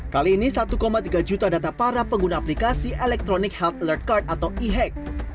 kali ini satu tiga juta data para pengguna aplikasi electronic health alert card atau e hack